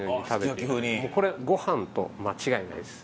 これご飯と間違いないです。